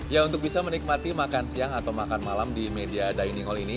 ya untuk bisa menikmati makan siang atau makan malam di media dining hall ini